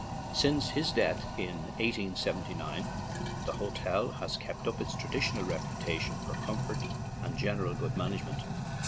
Since his death, in 1879, the hotel has kept up its traditional reputation for comfort and general good management.